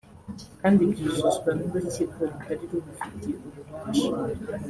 kandi byuzuzwa n’urukiko rutari rubufitiye ububasha